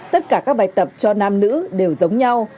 tất cả các bài tập cho nam nữ đều giống nhau